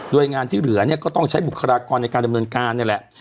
โดยงานที่เหลือเนี่ยก็ต้องใช้บุคลากรในการดำเนินการนี่แหละ